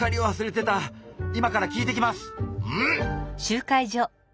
うん！